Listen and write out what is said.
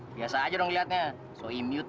biasa aja dong dilihatnya so immute